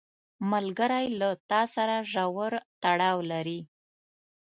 ملګری له تا سره ژور تړاو لري